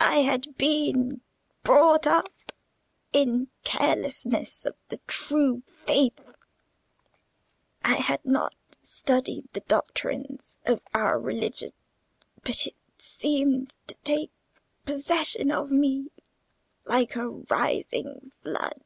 I had been brought up in carelessness of the true faith; I had not studied the doctrines of our religion; but it seemed to take possession of me like a rising flood.